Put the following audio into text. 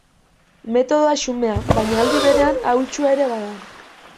Metodoa xumea, baina, aldi berean, ahaltsua ere bada.